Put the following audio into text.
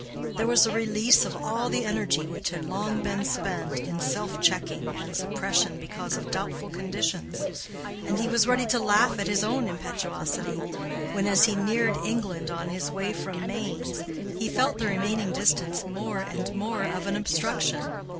There was a release of all the energy which had long been spent in self checking and suppression because of doubtful conditions; and he was ready to laugh at his own impetuosity when, as he neared England on his way from Mainz, he felt the remaining distance more and more of an obstruction.